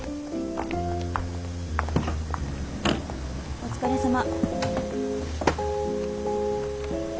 お疲れさま。